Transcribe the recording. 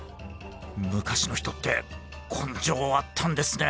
昔の人って根性あったんですね。